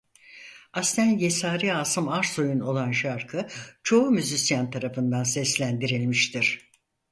Aslen Yesari Asım Arsoy'un olan şarkı çoğu müzisyen tarafından seslendirilmiştir.